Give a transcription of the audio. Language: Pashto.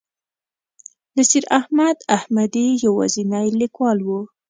نصیر احمد احمدي یوازینی لیکوال و.